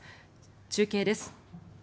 中継です。